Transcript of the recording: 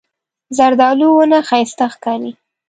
زردالو ونه ښایسته ښکاري.